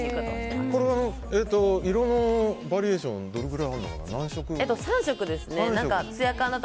これは色のバリエーションは何色くらいあるのかな。